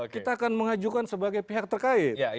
kita akan mengajukan sebagai pihak terkait